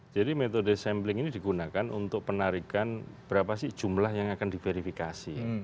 jadi metode sampling ini digunakan untuk penarikan berapa sih jumlah yang akan diverifikasi